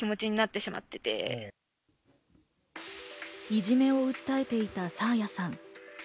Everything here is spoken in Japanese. いじめを訴えていた爽彩さん。